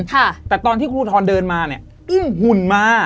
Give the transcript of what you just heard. แต่ตอนที่ครูทรเดินมาเนี่ยอุ้มหุ่นมา